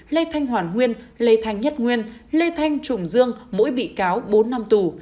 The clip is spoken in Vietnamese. lê thanh hoàn nguyên lê thanh nhất nguyên lê thanh trùng dương mỗi bị cáo bốn năm tù